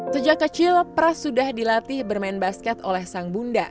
sejak kecil pras sudah dilatih bermain basket oleh sang bunda